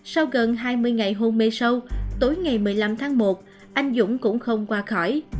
sau gần hai mươi ngày hôn mê sâu tối ngày một mươi năm tháng một anh dũng cũng không qua khỏi